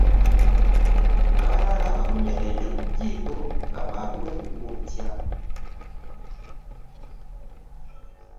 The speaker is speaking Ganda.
Abalala baabunyweredde ku jjiiko ng abwe bubookya